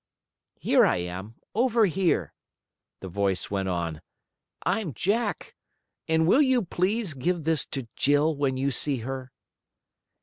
"Here I am, over here," the voice went on. "I'm Jack, and will you please give this to Jill when you see her?"